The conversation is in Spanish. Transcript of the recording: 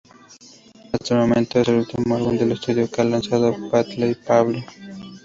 Hasta el momento es el último álbum de estudio que ha lanzado Petey Pablo.